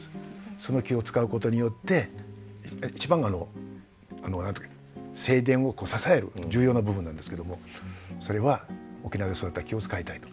その木を使うことによって一番正殿を支える重要な部分なんですけどもそれは沖縄で育った木を使いたいと。